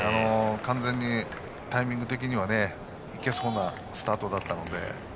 完全にタイミング的にはいけそうなスタートだったので。